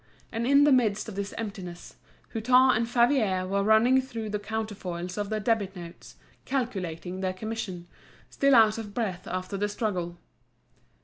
And in the midst of this emptiness, Hutin and Favier were running through the counterfoils of their debit notes, calculating their commission, still out of breath after the struggle.